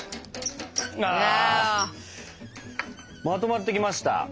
まとまってきました！